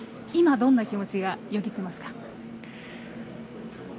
今、どんな気持ちがよぎっていますか？